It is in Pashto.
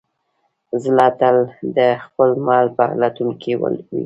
زړه تل د خپل مل په لټون کې وي.